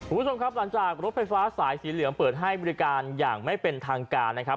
คุณผู้ชมครับหลังจากรถไฟฟ้าสายสีเหลืองเปิดให้บริการอย่างไม่เป็นทางการนะครับ